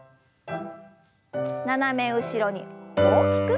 斜め後ろに大きく。